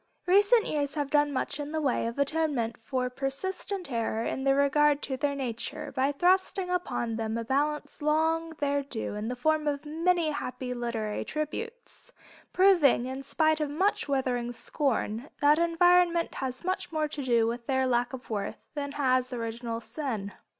Recent years have done much in the way of atonement for persistent error in regard to their nature, by thrusting upon them a balance long their due in the form of many happy literary tributes, proving, in spite of much withering scorn, that environment has much more to do with their lack of worth than has original sin.